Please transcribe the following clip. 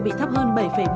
bị thấp hơn bảy bốn